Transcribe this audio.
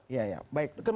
ya ya baik